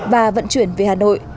và vận chuyển về hà nội